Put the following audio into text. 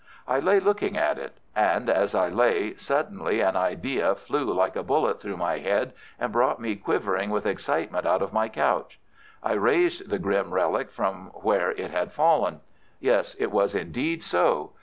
I lay looking at it—and as I lay suddenly an idea flew like a bullet through my head and brought me quivering with excitement out of my couch. I raised the grim relic from where it had fallen. Yes, it was indeed so.